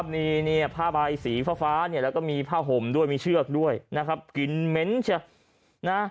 มีผ้าใบสีฟ้าแล้วก็มีผ้าห่มด้วยมีเชือกด้วยกลิ่นเหม็น